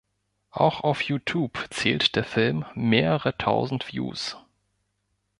Auch auf Youtube zählt der Film mehrere tausend Views.